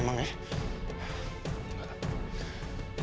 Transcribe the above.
ngomongnya sintia gak bisa jauh lagi dari gue